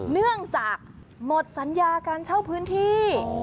เนื่องจากหมดสัญญาการเช่าพื้นที่